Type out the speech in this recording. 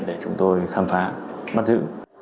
để chúng tôi khám phá bắt giữ